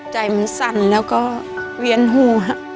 ใจมันสั่นแล้วก็เวียนหู